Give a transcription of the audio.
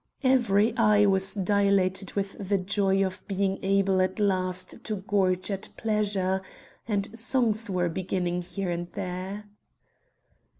Every eye was dilated with the joy of being able at last to gorge at pleasure, and songs were beginning here and there.